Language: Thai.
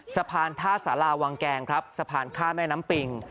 สะพานท่าสาราวังแกงครับสะพานข้ามแม่น้ำปิง